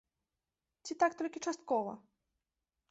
Ці так толькі часткова!